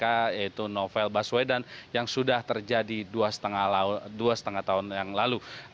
yaitu novel baswedan yang sudah terjadi dua lima tahun yang lalu